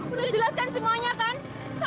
udah jelaskan semuanya kan